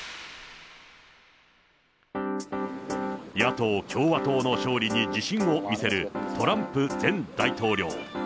野党・共和党の勝利に自信を見せるトランプ前大統領。